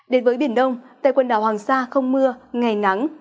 đến với biển đông tại quần đảo hoàng sa không mưa ngày nắng